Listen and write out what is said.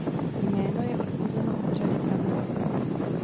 Jméno je odvozeno od řady pramenů.